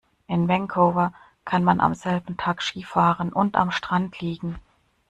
In Vancouver kann man am selben Tag Ski fahren und am Strand liegen.